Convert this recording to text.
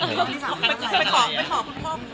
เป็นของคุณพ่อคุณแม่กันมั้ยยังครับ